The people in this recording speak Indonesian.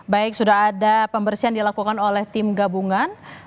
baik sudah ada pembersihan dilakukan oleh tim gabungan